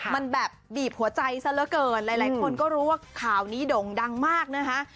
มันแบบบีบหัวใจซะเหลือเกินหลายคนก็รู้ว่าข่าวนี้ด่งดังมากนะคะ